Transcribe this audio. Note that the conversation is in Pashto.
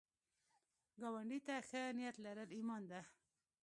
ګاونډي ته ښه نیت لرل ایمان ده